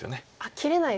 切れない。